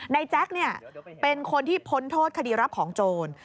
ในแจ๊กเนี่ยเป็นคนที่พ้นโทษคดีรับของโจร